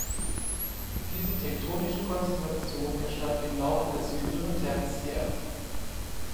Diese tektonische Konstellation entstand im Laufe des jüngeren Tertiärs.